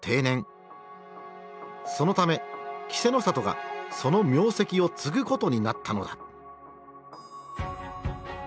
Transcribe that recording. そのため稀勢の里がその名跡を継ぐことになったのだ。